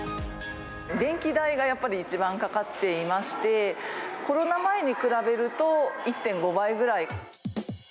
電気代がやっぱり一番かかっていまして、コロナ前に比べると１．５倍ぐらい。